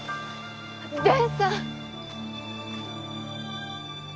伝さん！